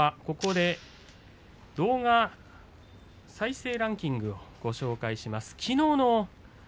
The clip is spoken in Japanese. ここで動画再生ランキングをご紹介します。